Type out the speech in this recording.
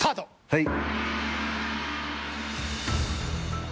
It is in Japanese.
はい。